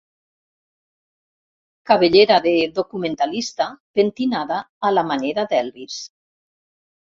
Cabellera de documentalista pentinada a la manera d'Elvis.